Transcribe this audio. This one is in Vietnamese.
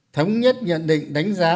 thống nhất nhận định đánh giá